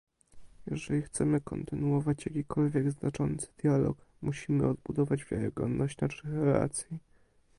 Jeżeli chcemy kontynuować jakikolwiek znaczący dialog, musimy odbudować wiarygodność naszych relacji